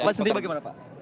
pak sendiri bagaimana pak